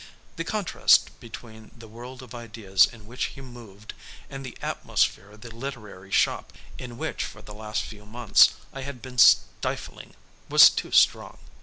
The contrast between the world of ideas in which he moved and the atmosphere of the literary shop in which for the last few months I had been stifling was too strong.